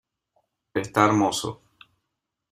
Está hermoso.